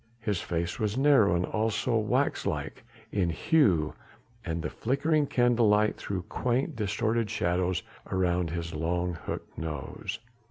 His face was narrow and also waxlike in hue and the flickering candle light threw quaint, distorted shadows around his long hooked nose.